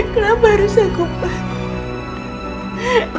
kenapa harus aku pak